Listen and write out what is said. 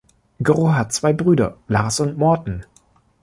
Gro hat zwei Brüder, Lars und Morten.